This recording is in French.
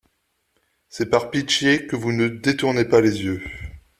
C’est par pitié que vous ne détournez pas les yeux.